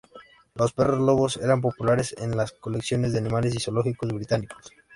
Los perros lobos eran populares en las colecciones de animales y zoológicos británicos.